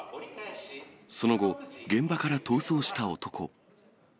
その後、現場から逃走した男。